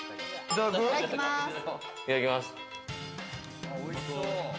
いただきます。